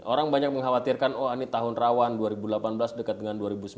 orang banyak mengkhawatirkan oh ini tahun rawan dua ribu delapan belas dekat dengan dua ribu sembilan belas